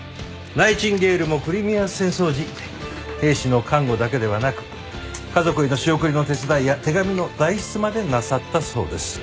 ナイチンゲールもクリミア戦争時兵士の看護だけではなく家族への仕送りの手伝いや手紙の代筆までなさったそうです。